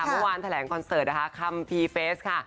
เมื่อวานแถลงคอนเสิร์ตนะคะคัมพีเฟสค่ะ